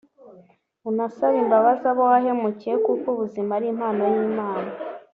unasabe imbabazi abo wahemukiye kuko ubuzima ari impano y'Imana